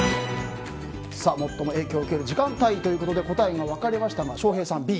最も影響を受ける時間帯ということで答えが分かれましたが翔平さん、Ｂ。